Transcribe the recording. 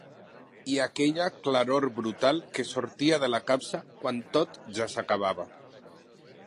I aquella claror brutal que sortia de la capsa quan tot ja s'acabava.